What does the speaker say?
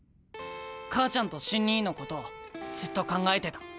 母ちゃんと瞬兄のことをずっと考えてた。